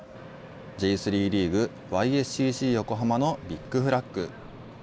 Ｊ３リーグ・ＹＳＣＣ横浜のビッグフラッグ。